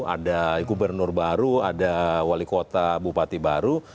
ada gubernur baru ada wali kota bupati baru